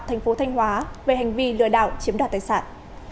thành phố thanh hóa về hành vi lừa đảo chiếm đoạt tài sản